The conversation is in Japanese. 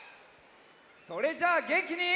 それじゃあげんきに。